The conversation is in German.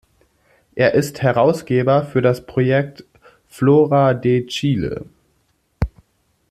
Er ist Herausgeber für das Projekt "Flora de Chile".